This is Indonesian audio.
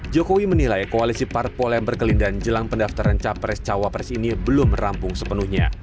jokowi menilai koalisi parpol yang berkelindahan jelang pendaftaran capres cawapres ini belum rampung sepenuhnya